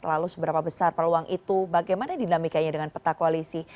lalu seberapa besar peluang itu bagaimana dinamikanya dengan peta koalisi